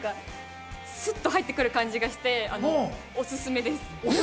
スッと入ってくる感じがして、おすすめです。